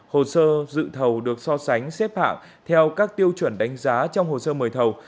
hồ sơ dự thầu được so sánh xếp hạng theo các tiêu chuẩn đánh giá trong hồ sơ mời thầu